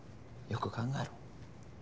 よく考えろ。